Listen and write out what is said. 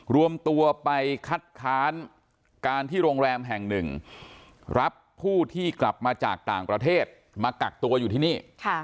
รวมตัวไปคัดค้านการที่โรงแรมแห่งหนึ่งรับผู้ที่กลับมาจากต่างประเทศมากักตัวอยู่ที่นี่